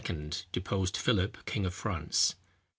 deposed Philip, king of France.